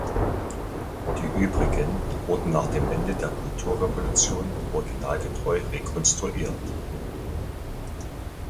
Die übrigen wurden nach dem Ende der Kulturrevolution originalgetreu rekonstruiert.